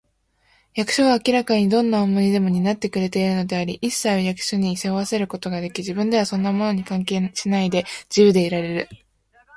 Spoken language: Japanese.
役所は明らかにどんな重荷でも担ってくれているのであり、いっさいを役所に背負わせることができ、自分ではそんなものに関係しないで、自由でいられる